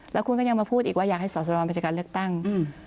แล้วคุณก็ยังมาพูดอีกว่าอยากให้สอสรมาจากการเลือกตั้ง